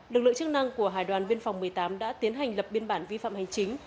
lực lượng chức năng của hải đoàn biên phòng một mươi tám đã tiến hành lập biên bản vi phạm hành chính